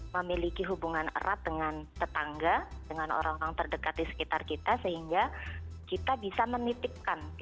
memiliki hubungan erat dengan tetangga dengan orang orang terdekat di sekitar kita sehingga kita bisa menitipkan